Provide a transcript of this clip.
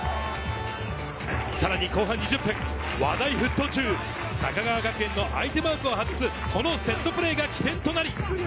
さらに後半２０分、話題沸騰中、高川学園の相手マークを外す、このセットプレーが起点となり。